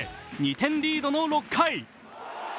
２点リードの６回。